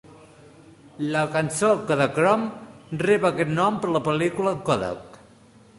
La cançó "Kodachrome" rep aquest nom per la pel·lícula Kodak.